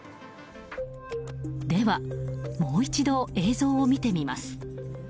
では、もう一度映像を見てみます。